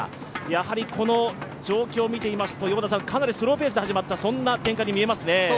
やはりこの状況を見てみますと、かなりスローペースで始まった展開に見えますね。